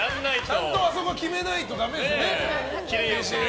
ちゃんとあそこ決めないとダメですよね。